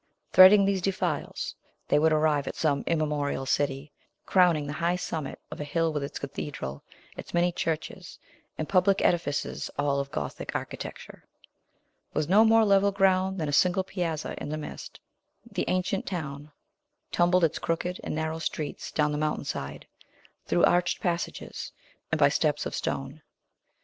Threading these defiles, they would arrive at some immemorial city, crowning the high summit of a hill with its cathedral, its many churches, and public edifices, all of Gothic architecture. With no more level ground than a single piazza in the midst, the ancient town tumbled its crooked and narrow streets down the mountainside, through arched passages and by steps of stone.